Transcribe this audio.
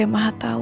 terima kasih bu